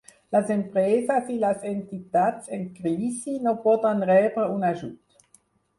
Les empreses i les entitats en "crisi" no podran rebre un ajut.